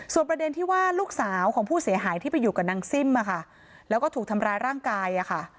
ประเด็นที่ว่าลูกสาวของผู้เสียหายที่ไปอยู่กับนางซิ่มแล้วก็ถูกทำร้ายร่างกายค่ะ